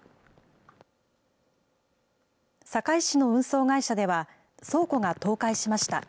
堺市の運送会社では、倉庫が倒壊しました。